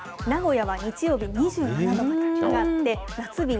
名古屋は日曜日、２７度になって、暑いのね。